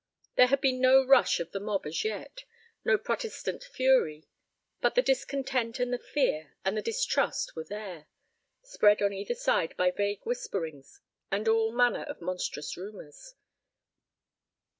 There had been no rush of the mob as yet, no Protestant fury, but the discontent and the fear and the distrust were there, spread on either side by vague whisperings and all manner of monstrous rumors.